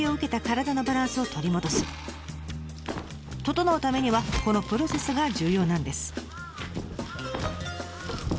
ととのうためにはこのプロセスが重要なんです。